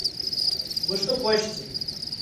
Вы что плачете?